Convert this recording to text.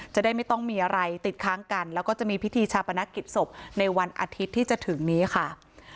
จะได้ไม่ต้องมีอะไรติดค้างกันแล้วก็จะมีพิธีชาปนกิจศพในวันอาทิตย์ที่จะถึงนี้ค่ะ